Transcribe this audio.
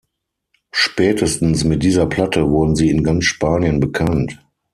Spätestens mit dieser Platte wurden sie in ganz Spanien bekannt.